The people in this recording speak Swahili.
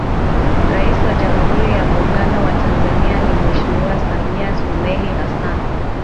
Rais wa Jamhuri ya Muungano wa Tanzania ni Mheshimiwa Samia Suluhu Hassan